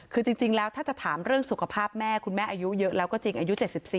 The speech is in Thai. คือจริงแล้วถ้าจะถามเรื่องสุขภาพแม่คุณแม่อายุเยอะแล้วก็จริงอายุ๗๔